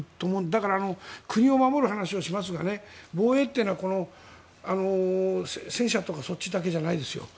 だから、国を守る話をしますが防衛というのは戦車とかそっちだけじゃないですよ。